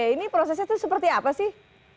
ini prosesnya itu seperti apa sih